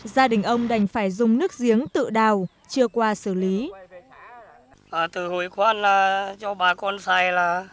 gia đình ông đành phải dùng nước giếng tự đào chưa qua xử lý